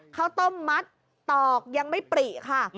ข้าวต้มมัดตอกยังไม่ปริค่ะ